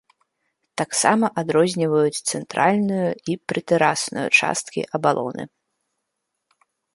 Таксама адрозніваюць цэнтральную і прытэрасную часткі абалоны.